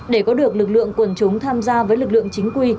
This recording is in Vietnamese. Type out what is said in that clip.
để có được lực lượng quần chúng tham gia với lực lượng chính quy